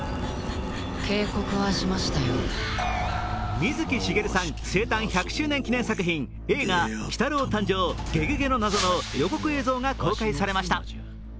水木しげるさん生誕１００周年記念作品映画「鬼太郎誕生ゲゲゲの謎」の予告映像が公開されました。